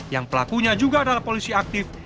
yang pelakunya juga adalah polisi aktif